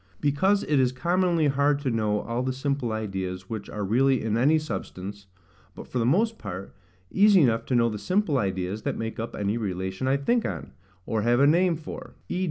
Because it is commonly hard to know all the simple ideas which are really in any substance, but for the most part easy enough to know the simple ideas that make up any relation I think on, or have a name for: v.